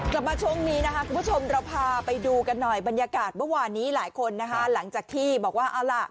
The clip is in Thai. กลับมาช่วงนี้นะคะคุณผู้ชมเราพาไปดูกันหน่อยบรรยากาศเมื่อวานนี้หลายคนนะคะหลังจากที่บอกว่าเอาล่ะ